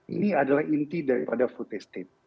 ini adalah inti daripada putus state